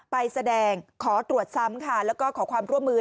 ไปแสดงขอตรวจซ้ำค่ะแล้วก็ขอความร่วมมือ